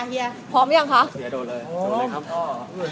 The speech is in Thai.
สองยแขวงธรรม